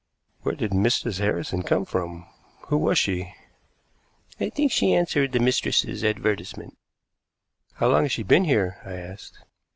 "Where did Mrs. Harrison come from? Who was she?" "I think she answered the mistress's advertisement." "How long has she been here?" I asked.